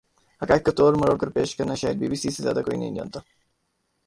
حقائق کو توڑ مروڑ کر پیش کرنا شاید بی بی سی سے زیادہ کوئی نہیں جانتا